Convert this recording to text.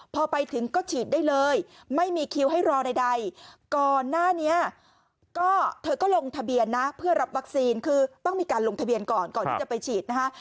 พอไปถึงก็ฉีดได้เลยไม่มีคิวให้รอใดก่อนหน้านี้ก็เธอก็ลงทะเบียนนะเพื่อรับวัคซีนคือต้องมีการลงทะเบียนก่อนก่อนที่จะไปฉีดนะคะ